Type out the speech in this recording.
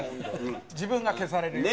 自分が消されるよ。